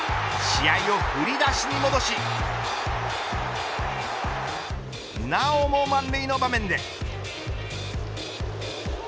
試合を振り出しに戻しなおも満塁の場面で。